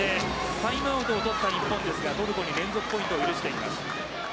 タイムアウトを取りましたがトルコに連続ポイントを許しています。